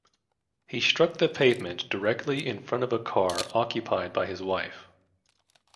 He struck the pavement directly in front of a car occupied by his wife.